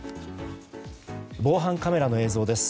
防犯カメラの映像です。